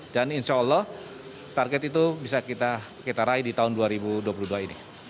dan insya allah target itu bisa kita raih di tahun dua ribu dua puluh dua ini